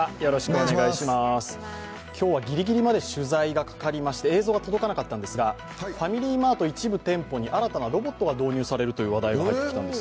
今日はギリギリまで取材がかかりまして映像が届かなかったんですが、ファミリーマート一部店舗に新たなロボットが導入されるという話題が入ってきたんです。